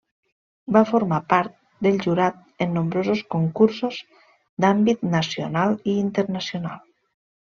Va formar part del jurat en nombrosos concursos d'àmbit nacional i internacional.